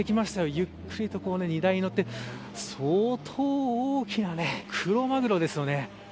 ゆっくりと荷台に乗って相当大きなクロマグロですよね。